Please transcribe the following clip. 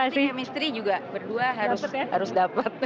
apapun chemistry juga berdua harus dapat